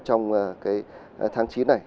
trong cái tháng chín này